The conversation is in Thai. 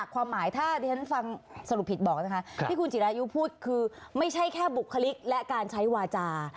อ่อความหมายถ้าเป็นชั้นสรุปผิดบอกนะคะพี่คุณจิกร้ายูผู้คือไม่ใช่แค่บุคลิกและการใช้วาจา